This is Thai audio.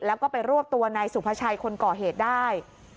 แล้วก็ไปรวบตัวนายสุภาชัยคนก่อเหตุได้